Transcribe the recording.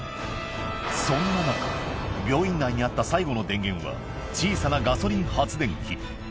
そんな中、病院内にあった最後の電源は、小さなガソリン発電機。